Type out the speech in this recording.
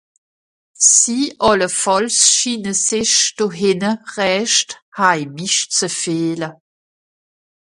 Sie àllefàlls schiine sich do hìnne rächt heimisch ze fìehle.